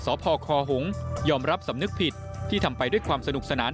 สพคหงยอมรับสำนึกผิดที่ทำไปด้วยความสนุกสนาน